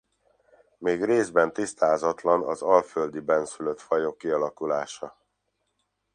Még részben tisztázatlan az alföldi bennszülött fajok kialakulása.